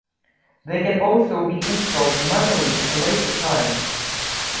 They can also be installed manually at a later time.